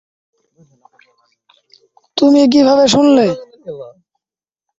তুমি কিভাবে শুনলে?